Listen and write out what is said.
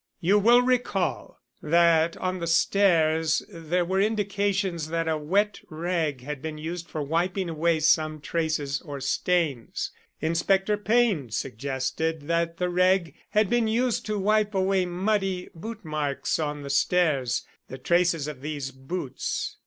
You will recall that on the stairs there were indications that a wet rag had been used for wiping away some traces or stains. Inspector Payne suggested that the rag had been used to wipe away muddy boot marks on the stairs the traces of these boots.